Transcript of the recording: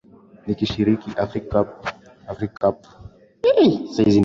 nikishiriki africup afrika cup of nations